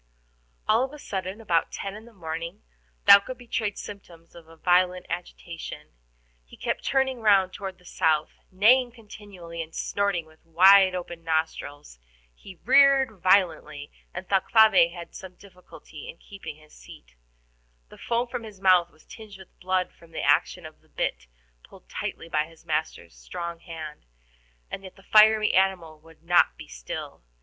All of a sudden, about ten in the morning, Thaouka betrayed symptoms of violent agitation. He kept turning round toward the south, neighing continually, and snorting with wide open nostrils. He reared violently, and Thalcave had some difficulty in keeping his seat. The foam from his mouth was tinged with blood from the action of the bit, pulled tightly by his master's strong hand, and yet the fiery animal would not be still.